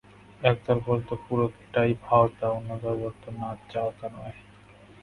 এক দল বলত পুরোটাই ভাঁওতা, অন্য দল বলত, না, চাঁওতা নয়।